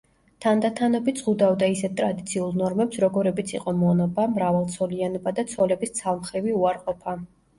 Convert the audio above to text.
თანდათანობით ზღუდავდა ისეთ ტრადიციულ ნორმებს, როგორებიც იყო მონობა, მრავალცოლიანობა და ცოლების ცალმხრივი უარყოფა.